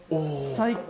最高。